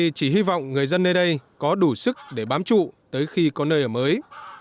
thì chỉ hy vọng người dân nơi đây có đủ sức để bám trụ tới khi có nơi ở mới